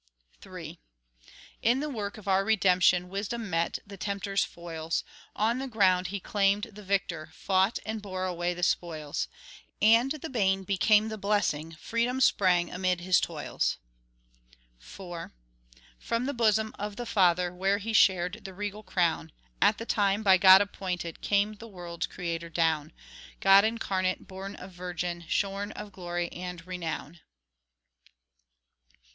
III In the work of our Redemption Wisdom met the tempter's foils;— On the ground he claimed, the Victor Fought, and bore away the spoils; And the bane became the blessing, Freedom sprang amid his toils. IV From the bosom of the Father, Where He shared the regal crown, At the time by God appointed, Came the world's Creator down— God incarnate, born of Virgin, Shorn of glory and renown.